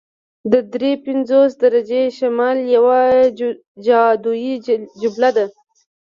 د دري پنځوسمې درجې شمال یوه جادويي جمله ده